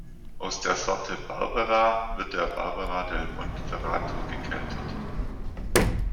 Aus der Sorte Barbera wird der Barbera del Monferrato gekeltert.